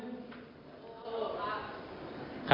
สู้ครับ